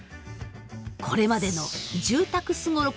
これまでの住宅すごろくとは違い